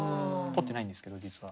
取ってないんですけど実は。